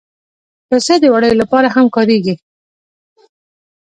پسه د وړیو لپاره هم کارېږي.